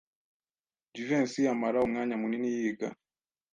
Jivency amara umwanya munini yiga.